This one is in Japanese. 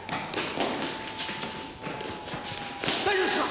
大丈夫ですか！？